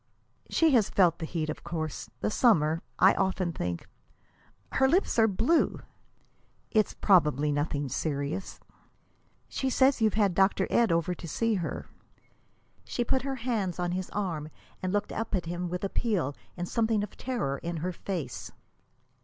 "She has felt the heat, of course. The summer I often think " "Her lips are blue!" "It's probably nothing serious." "She says you've had Dr. Ed over to see her." She put her hands on his arm and looked up at him with appeal and something of terror in her face.